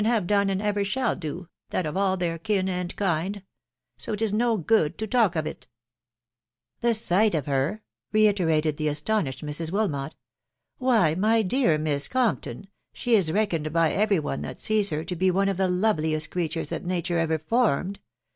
nave done, and ever shall do, that of all their kin and kind ... so it is no good to talk of it/' The sight of her !" reiterated the astonished Mrs. Wil mot. S€ Why, my dear Miss Compton, she is reckoned by every one that sees her to be one of the loveliest creatures that nature ever formed.